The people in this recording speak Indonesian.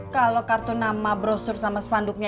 kalau kartu nama brosur sama spanduknya